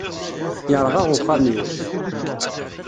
Yerɣa uxxam-iw.